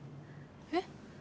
えっ？